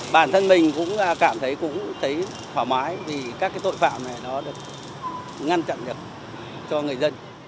bản thân mình cũng cảm thấy phỏa mái vì các tội phạm này nó được ngăn chặn được cho người dân